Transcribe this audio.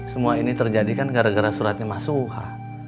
semua ini terjadi kan gara gara suratnya mas suha